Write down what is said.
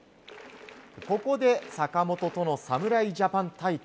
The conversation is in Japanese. ここで坂本との侍ジャパン対決。